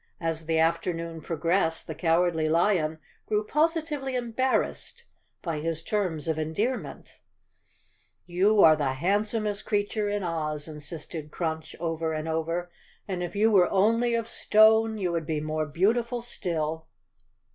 As the afternoon progressed the Cowardly Lion grew positively embar¬ rassed by his terms of endearment. "You are the handsomest creature in Oz," insisted 261 The Cowardly Lion of Oz _ Crunch over and over, "and if you were only of stone you would be more beautiful still."